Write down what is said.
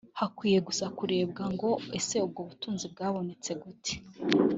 hakwiye gusa kurebwa ngo ese ubwo butunzi bwabonetse gute